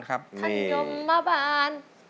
ทันยมมาบาน